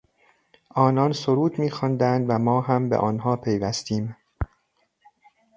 آنان سرود میخواندند و ما هم به آنها پیوستیم.